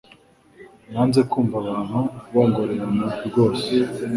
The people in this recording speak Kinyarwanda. Nanze kumva abantu bongorerana rwose